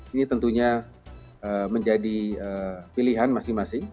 ini tentunya menjadi pilihan masing masing